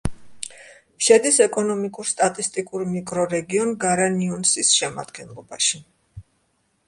შედის ეკონომიკურ-სტატისტიკურ მიკრორეგიონ გარანიუნსის შემადგენლობაში.